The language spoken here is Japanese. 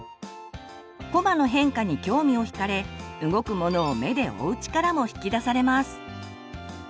こまの変化に興味を引かれ動くものを目で追う力も引き出されます。